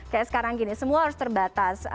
kayak sekarang gini semua harus terbatas